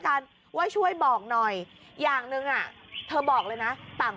ไม่รู้เหมือนกันว่าเขาไม่โชคอะไรแล้วยังไง